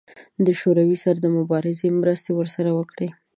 د شوروي سره د مبارزې مرستې ورسره وکړي.